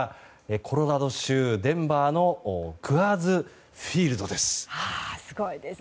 コロラド州デンバーのクアーズ・フィールドです。